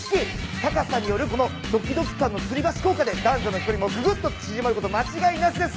高さによるドキドキ感のつり橋効果で男女の距離もぐぐっと縮まること間違いなしです。